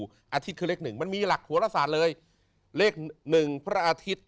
กับครูอาทิตย์คือเลข๑มันมีหลักหัวลักษณ์เลยเลข๑พระอาทิตย์